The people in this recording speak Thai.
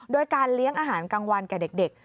โดยการเลี้ยงอาหารกลางวันแก่เด็ก